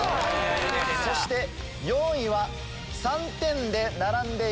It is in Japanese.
そして４位は３点で並んでいます。